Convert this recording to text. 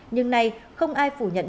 nhưng nay không ai phủ nhận